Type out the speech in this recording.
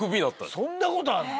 そんなことあんの？